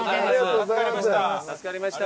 助かりました。